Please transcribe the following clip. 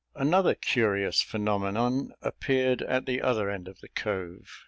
Another curious phenomenon appeared at the other end of the cove.